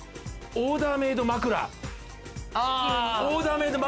オーダーメイド枕。